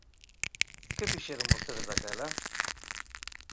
¿Que fixeron vostedes daquela?